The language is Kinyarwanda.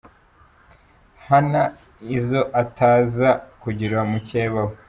Hanna iyo ataza kugira mukeba we.